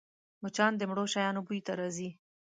مچان د مړو شیانو بوی ته راځي